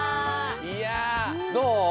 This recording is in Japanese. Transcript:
いやどう？